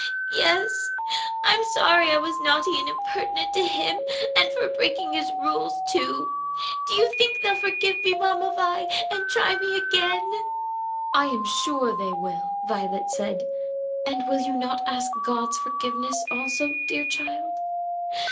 "Yes; I'm sorry I was naughty and impertinent to him, and for breaking his rules, too. Do you think they'll forgive me, Mamma Vi, and try me again?" "I am sure they will," Violet said. "And will you not ask God's forgiveness, also, dear child?"